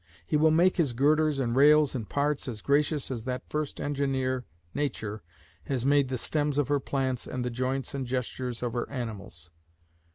He will make his girders and rails and parts as gracious as that first engineer, Nature, has made the stems of her plants and the joints and gestures of her animals.